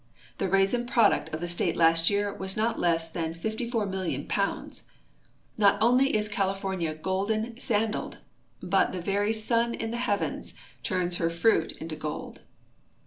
The raisin ])roduct of the state last year was not less than 54,000,000 ])ounds. Not only is California golden sandaled, but the very sun in the heavens turns her fruits into gold.